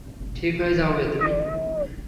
ঠিক হয়ে যাবে তুমি!